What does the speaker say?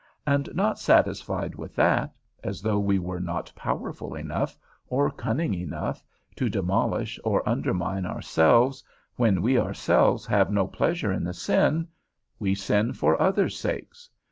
And not satisfied with that, as though we were not powerful enough, or cunning enough, to demolish or undermine ourselves, when we ourselves have no pleasure in the sin, we sin for others' sakes.